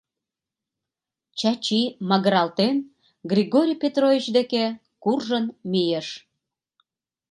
Чачи, магыралтен, Григорий Петрович деке куржын мийыш.